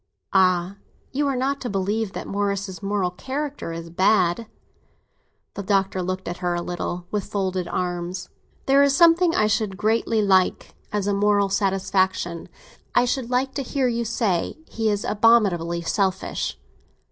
"Ah, you are not to believe that Morris's moral character is bad!" The Doctor looked at her a little, with folded arms. "There is something I should greatly like—as a moral satisfaction. I should like to hear you say—'He is abominably selfish!